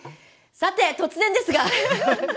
相当突然ですが。